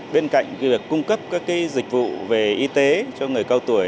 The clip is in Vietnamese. bên cạnh việc cung cấp các dịch vụ về y tế cho người cao tuổi